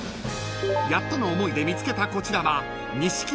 ［やっとの思いで見つけたこちらは］